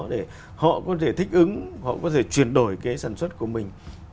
để họ có thể thích ứng họ có thể chuyển đổi cái sản xuất của mình